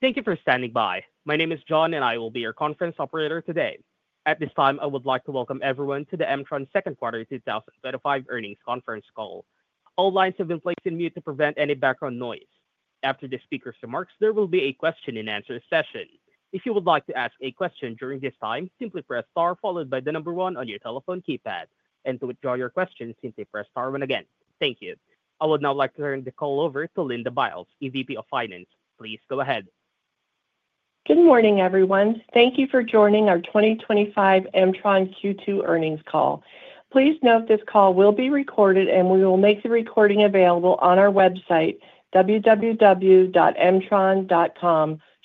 Thank you for standing by. My name is John, and I will be your conference operator today. At this time, I would like to welcome everyone to the M-tron Second Quarter 2025 Earnings Conference Call. All lines have been placed on mute to prevent any background noise. After the speakers' remarks, there will be a question and answer session. If you would like to ask a question during this time, simply press star followed by the number one on your telephone keypad. To withdraw your question, simply press star one again. Thank you. I would now like to turn the call over to Linda Biles, EVP of Finance. Please go ahead. Good morning, everyone. Thank you for joining our 2025 M-tron Q2 Earnings Call. Please note this call will be recorded, and we will make the recording available on our website, www.mtron.com,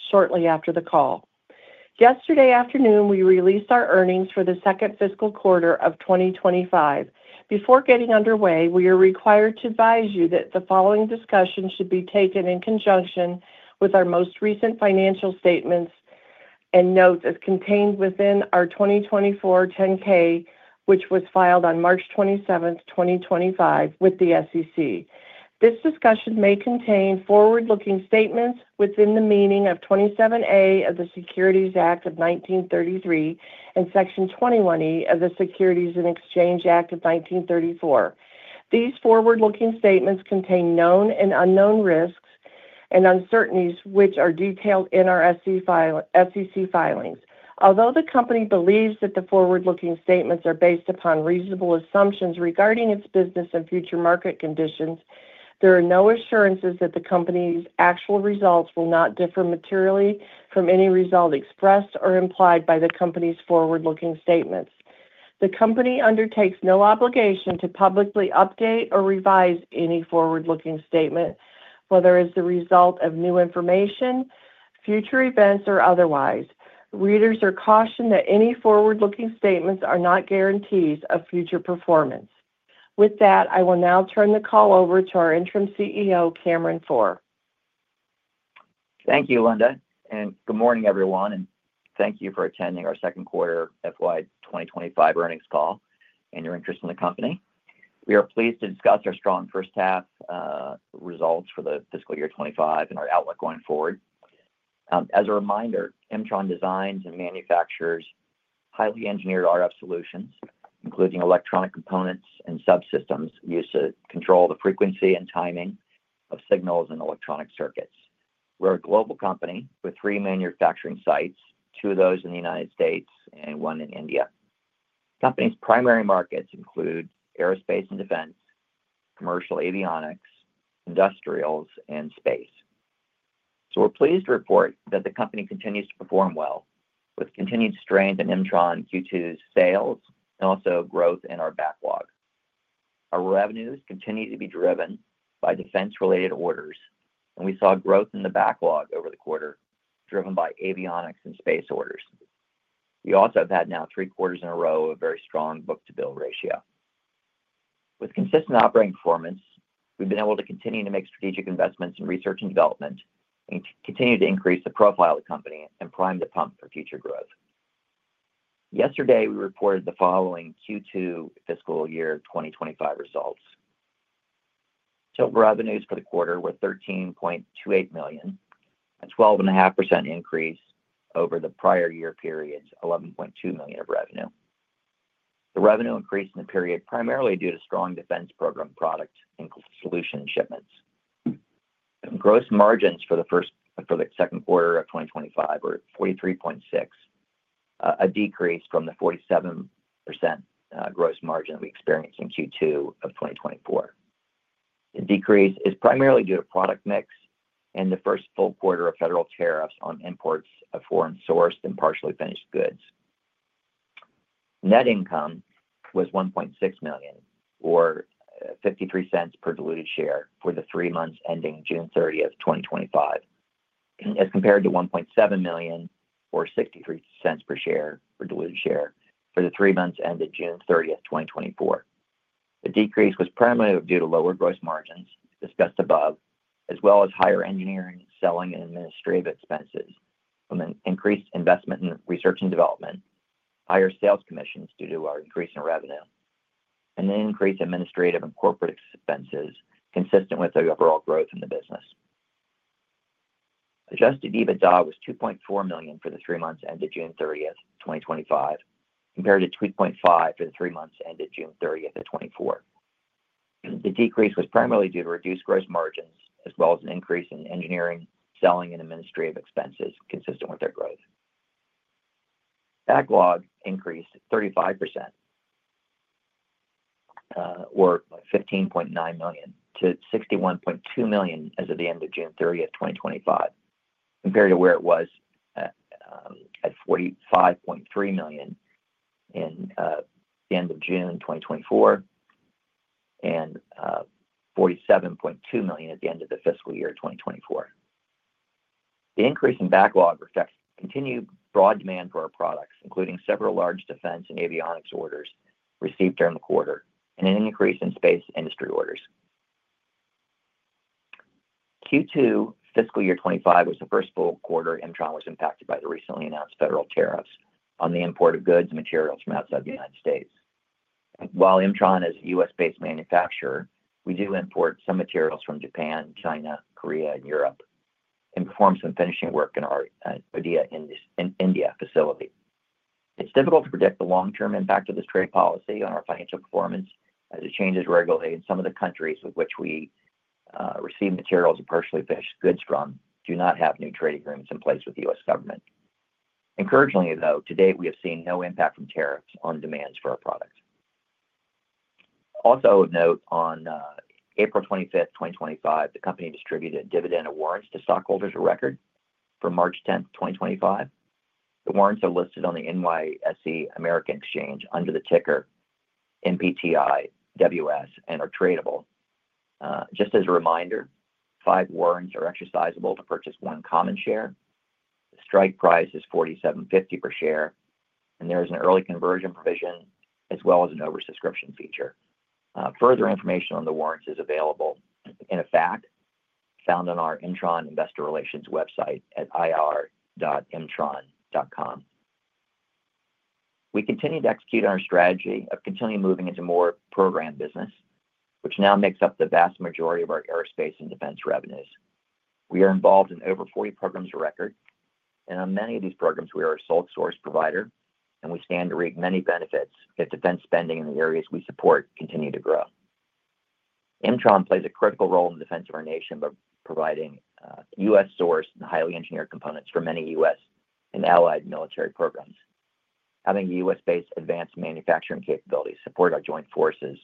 shortly after the call. Yesterday afternoon, we released our earnings for the second fiscal quarter of 2025. Before getting underway, we are required to advise you that the following discussion should be taken in conjunction with our most recent financial statements and notes as contained within our 2024 10-K, which was filed on March 27, 2025, with the SEC. This discussion may contain forward-looking statements within the meaning of 27A of the Securities Act of 1933 and Section 21E of the Securities and Exchange Act of 1934. These forward-looking statements contain known and unknown risks and uncertainties, which are detailed in our SEC filings. Although the company believes that the forward-looking statements are based upon reasonable assumptions regarding its business and future market conditions, there are no assurances that the company's actual results will not differ materially from any result expressed or implied by the company's forward-looking statements. The company undertakes no obligation to publicly update or revise any forward-looking statement, whether as the result of new information, future events, or otherwise. Readers are cautioned that any forward-looking statements are not guarantees of future performance. With that, I will now turn the call over to our Interim CEO, Cameron Pforr. Thank you, Linda, and good morning, everyone, and thank you for attending our second quarter FY 2025 earnings call and your interest in the company. We are pleased to discuss our strong first half, results for the fiscal year 2025 and our outlook going forward. As a reminder, M-tron designs and manufactures highly engineered RF solutions, including electronic components and subsystems used to control the frequency and timing of signals and electronic circuits. We're a global company with three manufacturing sites, two of those in the United States and one in India. The company's primary markets include aerospace and defense, commercial avionics, industrials, and space. We are pleased to report that the company continues to perform well with continued strength in M-tron Q2's sales and also growth in our backlog. Our revenues continue to be driven by defense-related orders, and we saw growth in the backlog over the quarter driven by avionics and space orders. We also have had now three quarters in a row of very strong book-to-build ratio. With consistent operating performance, we've been able to continue to make strategic investments in research and development and continue to increase the profile of the company and prime the pump for future growth. Yesterday, we reported the following Q2 fiscal year 2025 results. Total revenues for the quarter were $13.28 million, a 12.5% increase over the prior year period's $11.2 million of revenue. The revenue increased in the period primarily due to strong defense program product and solution shipments. Gross margins for the second quarter of 2025 were 43.6%, a decrease from the 47% gross margin we experienced in Q2 of 2024. The decrease is primarily due to product mix and the first full quarter of federal tariffs on imports of foreign-sourced and partially finished goods. Net income was $1.6 million, or $0.53 per diluted share for the three months ending June 30, 2025, as compared to $1.7 million, or $0.63 per diluted share for the three months ended June 30, 2024. The decrease was primarily due to lower gross margins discussed above, as well as higher engineering, selling, and administrative expenses from an increased investment in research and development, higher sales commissions due to our increase in revenue, and an increase in administrative and corporate expenses consistent with the overall growth in the business. Adjusted EBITDA was $2.4 million for the three months ended June 30, 2025, compared to $2.5 million for the three months ended June 30, 2024. The decrease was primarily due to reduced gross margins as well as an increase in engineering, selling, and administrative expenses consistent with our growth. Backlog increased 35%, or $15.9 million, to $61.2 million as of the end of June 30, 2025, compared to where it was at $45.3 million at the end of June 2024 and $47.2 million at the end of the fiscal year 2024. The increase in backlog reflects continued broad demand for our products, including several large defense and avionics orders received during the quarter and an increase in space industry orders. Q2 fiscal year 2025 was the first full quarter M-tron was impacted by the recently announced federal tariffs on the import of goods and materials from outside the United States. While M-tron is a U.S.-based manufacturer, we do import some materials from Japan, China, Korea, and Europe, and perform some finishing work in our India facility. It's difficult to predict the long-term impact of this trade policy on our financial performance as it changes regularly in some of the countries with which we receive materials or partially finished goods from do not have new trade agreements in place with the U.S. government. Unfortunately, though, to date we have seen no impact from tariffs on demand for our products. Also of note, on April 25, 2025, the company distributed dividend warrants to stockholders of record for March 10, 2025. The warrants are listed on the NYSE American Exchange under the ticker NPTIWS and are tradable. Just as a reminder, five warrants are exercisable to purchase one common share. The strike price is $47.50 per share, and there is an early conversion provision as well as an oversubscription feature. Further information on the warrants is available in a FAQ found on our M-tron Investor Relations website at ir.mtron.com. We continue to execute on our strategy of continuing moving into more program business, which now makes up the vast majority of our aerospace and defense revenues. We are involved in over 40 programs of record, and on many of these programs, we are a sole source provider, and we stand to reap many benefits if defense spending in the areas we support continues to grow. M-tron plays a critical role in the defense of our nation by providing U.S.-sourced and highly engineered components for many U.S. and allied military programs. Having U.S.-based advanced manufacturing capabilities support our joint forces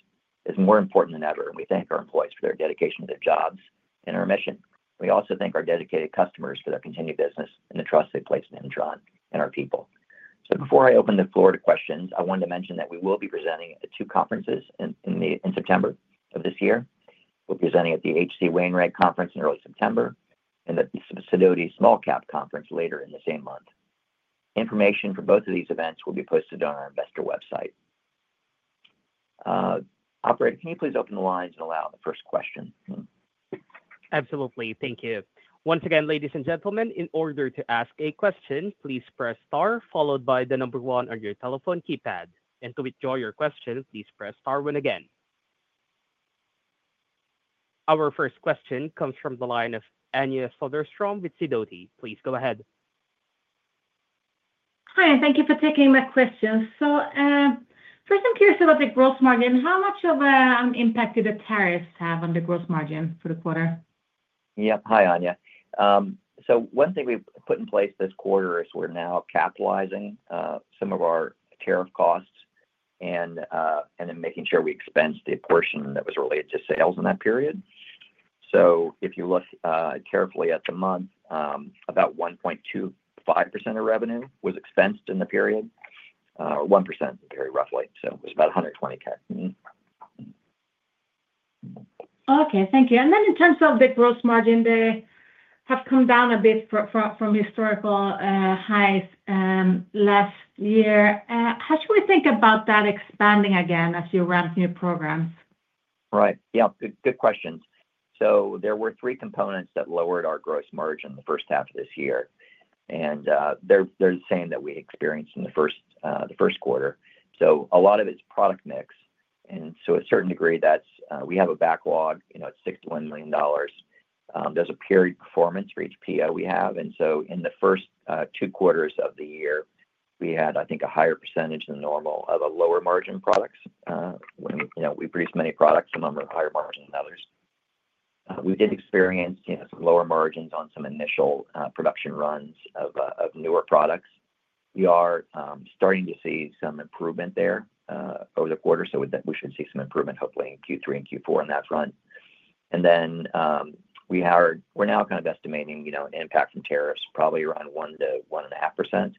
is more important than ever, and we thank our employees for their dedication to their jobs and our mission. We also thank our dedicated customers for their continued business and the trust they've placed in M-tron and our people. Before I open the floor to questions, I wanted to mention that we will be presenting at two conferences in September of this year. We'll be presenting at the H.C. Wainwright Conference in early September and at the Sidoti Small-Cap Conference later in the same month. Information for both of these events will be posted on our investor website. Operator, can you please open the lines and allow the first question? Absolutely. Thank you. Once again, ladies and gentlemen, in order to ask a question, please press star followed by the number one on your telephone keypad. To withdraw your question, please press star one again. Our first question comes from the line of Anja Soderstrom with Sidoti. Please go ahead. Hi, and thank you for taking the question. First, I'm curious about the gross margin. How much of an impact did the tariffs have on the gross margin for the quarter? Yep. Hi, Anja. One thing we've put in place this quarter is we're now capitalizing some of our tariff costs and then making sure we expense the portion that was related to sales in that period. If you look carefully at the month, about 1.25% of revenue was expensed in the period, or 1% in the period, roughly. It was about $120,000. Thank you. In terms of the gross margin, they have come down a bit from historical highs last year. How should we think about that expanding again as you ramp new programs? Right. Yeah. Good questions. There were three components that lowered our gross margin in the first half of this year. They're the same that we experienced in the first quarter. A lot of it is product mix. To a certain degree, that's, we have a backlog at $61 million. There's a period performance for each PO we have. In the first two quarters of the year, we had, I think, a higher percentage than normal of lower margin products. When we produce many products, some of them are higher margin than others. We did experience some lower margins on some initial production runs of newer products. We are starting to see some improvement there over the quarter. We should see some improvement, hopefully, in Q3 and Q4 on that front. We are now kind of estimating an impact from tariffs probably around 1%-1.5%.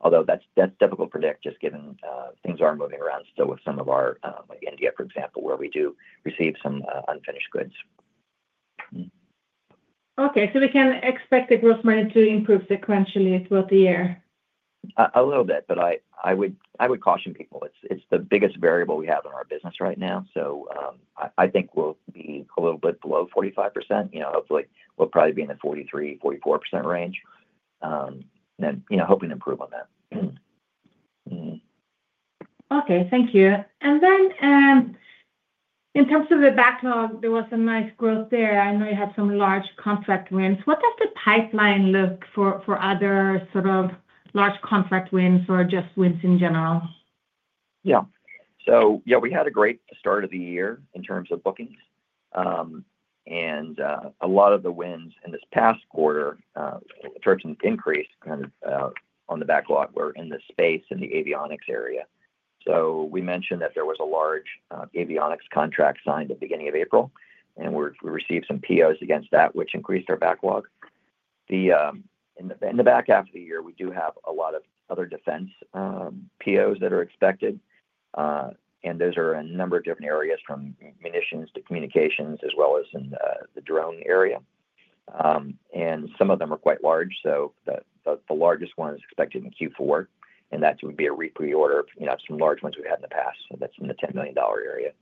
Although that's difficult to predict just given things are moving around still with some of our, like India, for example, where we do receive some unfinished goods. Okay. We can expect the gross margin to improve sequentially throughout the year? I would caution people. It's the biggest variable we have in our business right now. I think we'll be a little bit below 45%. Hopefully, we'll probably be in the 43%, 44% range, and then hoping to improve on that. Okay. Thank you. In terms of the backlog, there was a nice growth there. I know you had some large contract wins. What does the pipeline look for other sort of large contract wins or just wins in general? Yeah, we had a great start of the year in terms of bookings, and a lot of the wins in this past quarter in terms of increase on the backlog were in the space and the avionics area. We mentioned that there was a large avionics contract signed at the beginning of April, and we received some POs against that, which increased our backlog. In the back half of the year, we do have a lot of other defense POs that are expected, and those are a number of different areas from munitions to communications, as well as in the drone area, and some of them are quite large. The largest one is expected in Q4, and that would be a repeat order of some large ones we've had in the past, and that's in the $10 million area.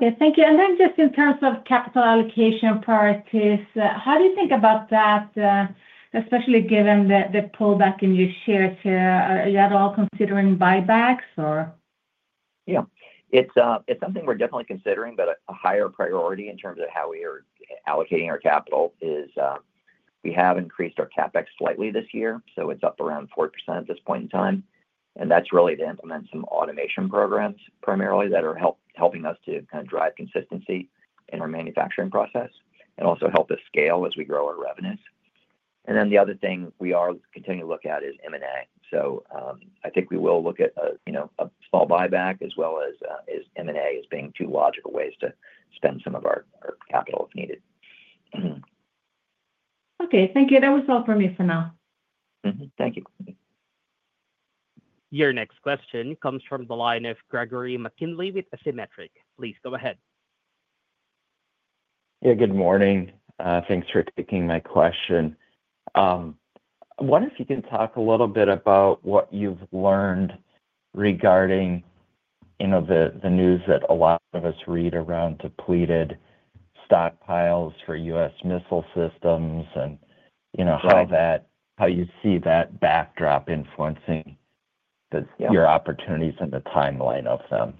Yeah. Thank you. In terms of capital allocation priorities, how do you think about that, especially given the pullback in your shares? Are you at all considering buybacks, or? Yeah, it's something we're definitely considering, but a higher priority in terms of how we are allocating our capital is, we have increased our CapEx slightly this year. It's up around 4% at this point in time. That's really to implement some automation programs primarily that are helping us to kind of drive consistency in our manufacturing process and also help us scale as we grow our revenues. The other thing we are continuing to look at is M&A. I think we will look at a small buyback as well as M&A as being two logical ways to spend some of our capital if needed. Okay, thank you. That was all from me for now. Thank you. Your next question comes from the line of Gregory McKinley with Asymmetric. Please go ahead. Good morning. Thanks for taking my question. I wonder if you can talk a little bit about what you've learned regarding the news that a lot of us read around depleted stockpiles for U.S. missile systems and how you see that backdrop influencing your opportunities and the timeline of them.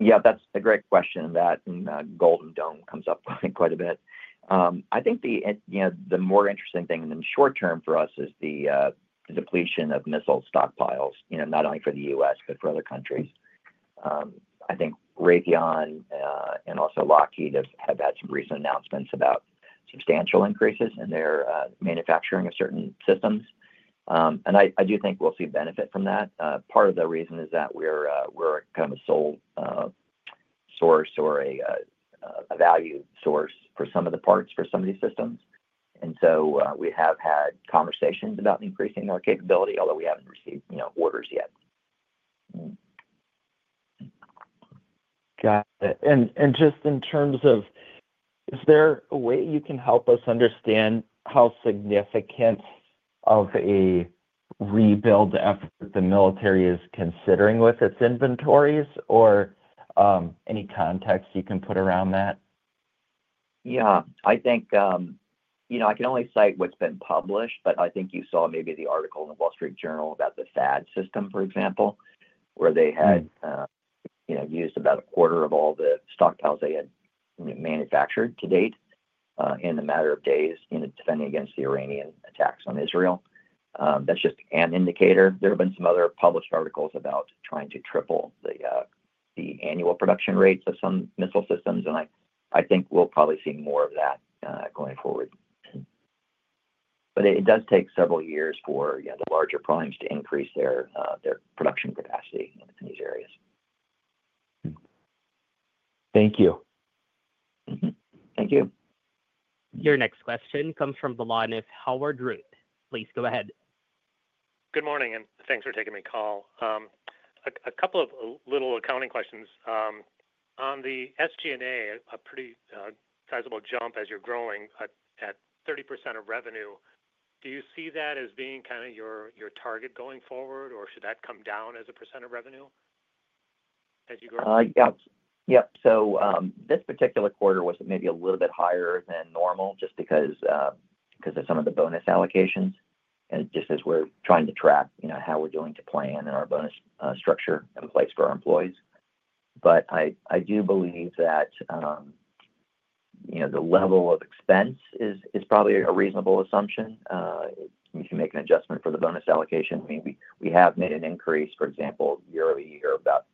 Yeah, that's a great question. That in the Golden Dome comes up quite a bit. I think the more interesting thing in the short term for us is the depletion of missile stockpiles, not only for the U.S., but for other countries. I think Raytheon and also Lockheed have had some recent announcements about substantial increases in their manufacturing of certain systems. I do think we'll see benefit from that. Part of the reason is that we're a kind of a sole source or a value source for some of the parts for some of these systems. We have had conversations about increasing our capability, although we haven't received orders yet. Got it. Is there a way you can help us understand how significant of a rebuild the military is considering with its inventories, or any context you can put around that? Yeah, I think I can only cite what's been published, but I think you saw maybe the article in The Wall Street Journal about the FAD system, for example, where they had used about 1/4 of all the stockpiles they had manufactured to date in a matter of days, defending against the Iranian attacks on Israel. That's just an indicator. There have been some other published articles about trying to triple the annual production rate of some missile systems. I think we'll probably see more of that going forward. It does take several years for the larger programs to increase their production capacity in these areas. Thank you. Thank you. Your next question comes from the line of. [inaudible] Please go ahead. Good morning, and thanks for taking my call. A couple of little accounting questions. On the SG&A, a pretty sizable jump as you're growing at 30% of revenue. Do you see that as being kind of your target going forward, or should that come down as a percent of revenue as you grow? This particular quarter was maybe a little bit higher than normal just because of some of the bonus allocations. Just as we're trying to track how we're doing to plan and our bonus structure in place for our employees. I do believe that the level of expense is probably a reasonable assumption. You can make an adjustment for the bonus allocation. We have made an increase, for example, year-over-year, about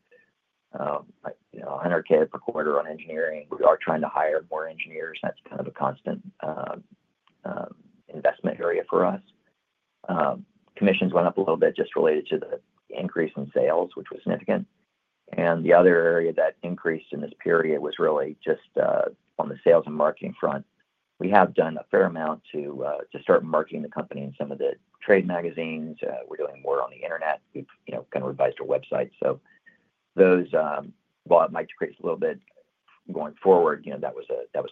$100,000 per quarter on engineering. We are trying to hire more engineers. That's kind of a constant investment area for us. Commissions went up a little bit just related to the increase in sales, which was significant. The other area that increased in this period was really just on the sales and marketing front. We have done a fair amount to start marketing the company in some of the trade magazines. We're doing more on the Internet. We've kind of revised our website. While it might decrease a little bit going forward, that was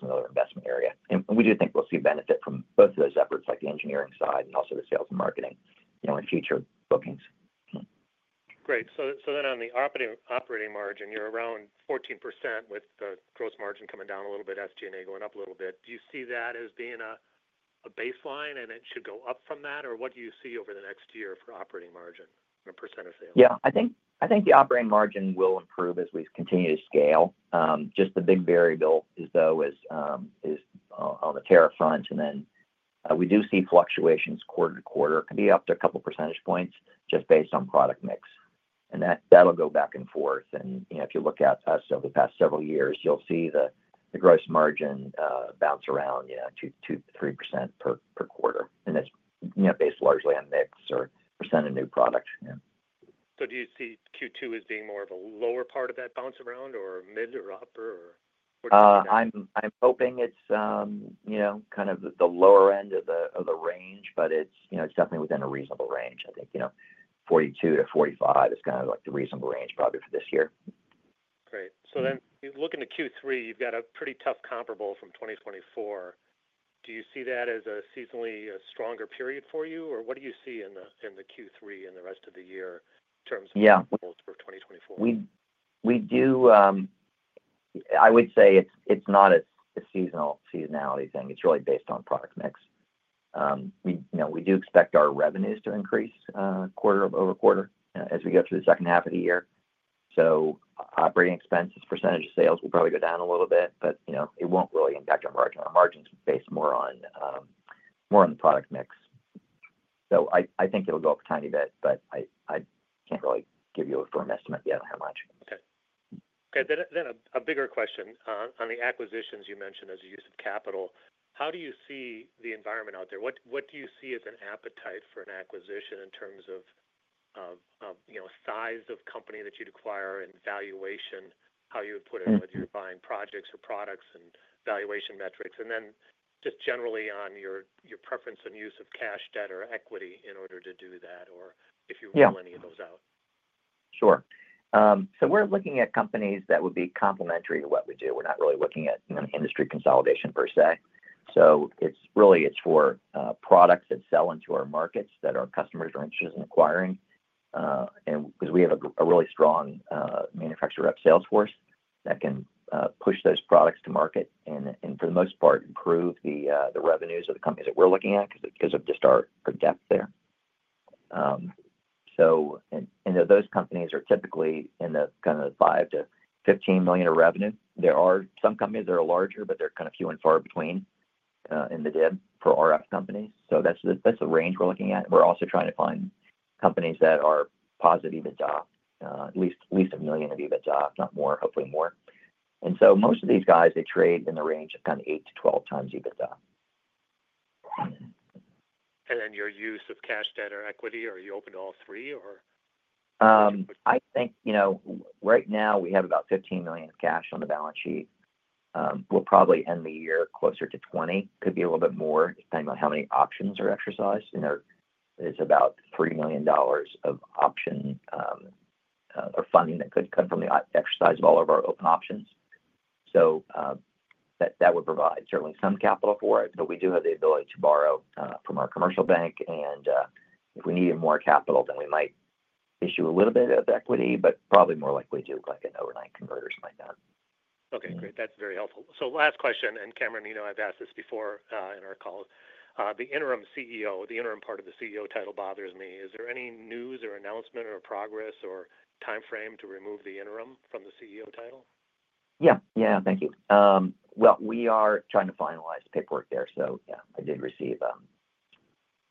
another investment area. We do think we'll see benefit from both of those efforts, like the engineering side and also the sales and marketing, and our future bookings. Great. On the operating margin, you're around 14% with the gross margin coming down a little bit, SG&A going up a little bit. Do you see that as being a baseline and it should go up from that, or what do you see over the next year for operating margin or percent of sales? I think the operating margin will improve as we continue to scale. The big variable is on the tariff front. We do see fluctuations quarter to quarter. It could be up to a couple of percentage points just based on product mix. That'll go back and forth. If you look at us over the past several years, you'll see the gross margin bounce around 2%-3% per quarter. It's based largely on the mix or percent of new product. Do you see Q2 as being more of a lower part of that bounce around, or mid, or upper, or what do you see? I'm hoping it's kind of the lower end of the range, but it's definitely within a reasonable range. I think 42%-45% is kind of like the reasonable range probably for this year. Great. You look into Q3, you've got a pretty tough comparable from 2024. Do you see that as a seasonally stronger period for you, or what do you see in the Q3 and the rest of the year in terms of goals for 2024? Yeah, I would say it's not a seasonality thing. It's really based on product mix. We do expect our revenues to increase quarter-over-quarter as we go through the second half of the year. Operating expenses as a percentage of sales will probably go down a little bit, but it won't really impact our margins. Our margins are based more on the product mix. I think it'll go up a tiny bit, but I can't really give you a firm estimate yet on how much. Okay. A bigger question on the acquisitions you mentioned as a use of capital. How do you see the environment out there? What do you see as an appetite for an acquisition in terms of, you know, a size of company that you'd acquire and valuation, how you would put it, whether you're buying projects or products and valuation metrics? Just generally on your preference on use of cash, debt, or equity in order to do that, or if you rule any of those out. Yeah. Sure. We're looking at companies that would be complementary to what we do. We're not really looking at, you know, industry consolidation per se. It's really for products that sell into our markets that our customers are interested in acquiring. We have a really strong manufacturer rep sales force that can push those products to market and, for the most part, improve the revenues of the companies that we're looking at because of our depth there. Those companies are typically in the $5 million-$15 million in revenue. There are some companies that are larger, but they're kind of few and far between in the DIB for RF companies. That's the range we're looking at. We're also trying to find companies that are positive EBITDA, at least $1 million of EBITDA, if not more, hopefully more. Most of these guys trade in the range of 8x-12x EBITDA. Is your use of cash, debt, or equity open to all three? I think right now we have about $15 million of cash on the balance sheet. We'll probably end the year closer to $20 million, could be a little bit more depending on how many options are exercised. There's about $3 million of option funding that could come from the exercise of all of our open options. That would provide certainly some capital for it, but we do have the ability to borrow from our commercial bank. If we needed more capital, we might issue a little bit of equity, but probably more likely to do like an overnight converter slightly. Okay. Great. That's very helpful. Last question. Cameron, you know I've asked this before in our call. The Interim CEO, the interim part of the CEO title bothers me. Is there any news or announcement or progress or timeframe to remove the interim from the CEO title? Thank you. We are trying to finalize the paperwork there. I did receive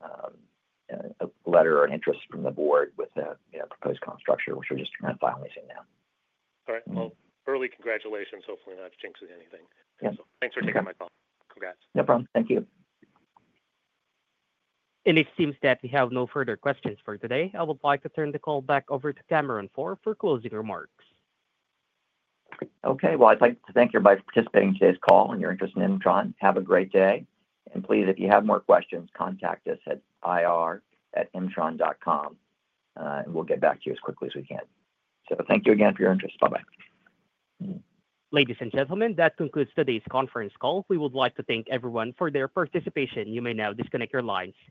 a letter or an interest from the board with a proposed comp structure, which I'm just kind of finalizing now. All right. Early congratulations, hopefully not jinxing anything. Yeah, thanks for taking my call. Congrats. No problem. Thank you. It seems that we have no further questions for today. I would like to turn the call back over to Cameron Pforr for closing remarks. I'd like to thank you everybody for participating in today's call and your interest in M-tron. Have a great day. Please, if you have more questions, contact us at ir@mtron.com and we'll get back to you as quickly as we can. Thank you again for your interest. Bye-bye. Ladies and gentlemen, that concludes today's conference call. We would like to thank everyone for their participation. You may now disconnect your line.